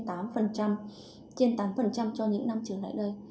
trên tám cho những năm trưởng lại đây